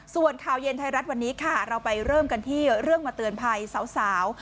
ส่วนข่าวเย็นไทยรัฐวันนี้ค่ะเราไปเริ่มกันที่เรื่องมาเตือนภัยสาว